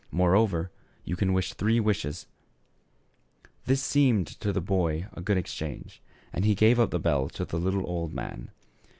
More over, you can wish three wishes." 62 THE SHEPHEBD BOY. This seemed to the boy a good exchange, and he gave up the bell to the little old man.